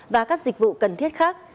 và các dịch vụ cần thiết khác